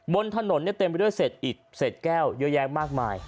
บนถนนเต็มไปด้วยเศษอิดเศษแก้วเยอะแยะมากมาย